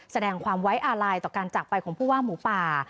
แสดงความไว้อาลัยต่อการจากไปของผู้ว่าหมูป่า